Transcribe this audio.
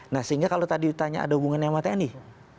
nah sehingga kalau tadi ditanya ada hubungan yang mati nih